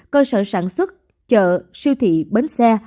cơ sở sản xuất chợ siêu thị bến xe